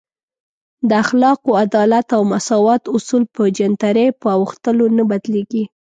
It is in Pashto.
د اخلاقو، عدالت او مساوات اصول په جنترۍ په اوښتلو نه بدلیږي.